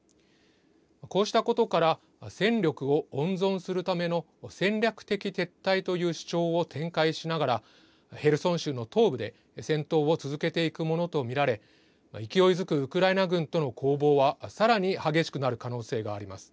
こうしたことから戦力を温存するための戦略的撤退という主張を展開しながらヘルソン州の東部で戦闘を続けていくものと見られ勢いづくウクライナ軍との攻防はさらに激しくなる可能性があります。